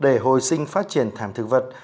để hồi sinh phát triển thảm thực vật